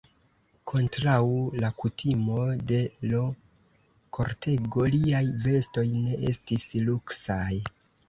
Kontraŭ la kutimo de l' kortego, liaj vestoj ne estis luksaj.